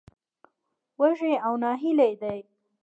وږي او نهيلي دي.